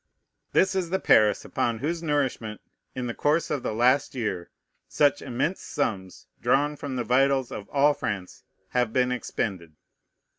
This is the Paris upon whose nourishment, in the course of the last year, such immense sums, drawn from the vitals of all France, have been expended.